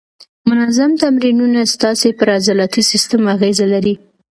منظم تمرینونه ستاسې پر عضلاتي سیستم اغېزه لري.